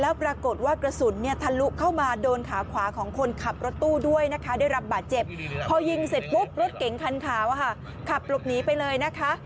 แล้วปรากฏว่ากระสุนเนี่ยทะลุเข้ามาโดนขาขวาของคนขับรถตู้ด้วยนะคะได้รับบาดเจ็บพอยิงเสร็จปุ๊บรถเก๋งคันขาวขับหลบหนีไปเลยนะคะ